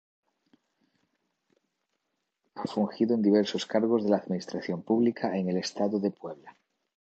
Ha fungido en diversos cargos de la administración pública en el estado de Puebla.